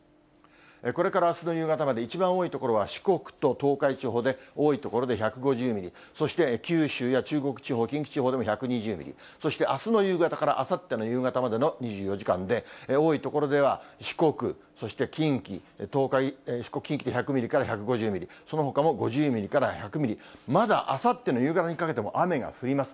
これからあすの夕方まで、一番多い所は四国と東海地方で多い所で１５０ミリ、そして九州や中国地方、近畿地方でも１２０ミリ、そしてあすの夕方からあさっての夕方までの２４時間で、多い所では四国、そして近畿、東海、四国、近畿で１００ミリから１５０ミリ、そのほかも５０ミリから１００ミリ、まだあさっての夕方にかけても雨が降ります。